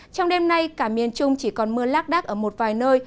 trong đêm nay cả miền trung chỉ còn mưa lác đắc ở một vài nơi